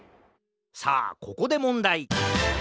さあここでもんだい！